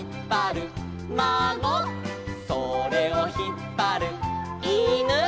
「それをひっぱるいぬ」